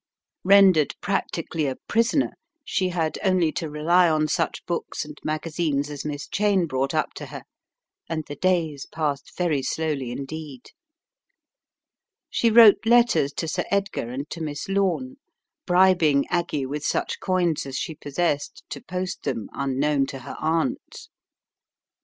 Rendered practically a prisoner she had only to rely on such books and magazines as Miss Cheyne brought up to her and the days passed very slowly indeed. She wrote letters to Sir Edgar and to Miss Lome, The Cry in (he Night 75 bribing Aggie with such coins as she possessed to post them, unknown to her aunt.